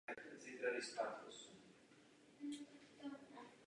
Toto je víra apoštolů.